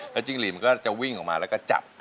จิ้งหลีดมันก็จะวิ่งออกมาแล้วก็จับ